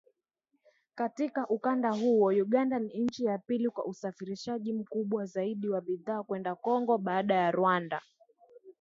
Katika ukanda huo, Uganda ni nchi ya pili kwa usafirishaji mkubwa zaidi wa bidhaa kwenda Kongo, baada ya Rwanda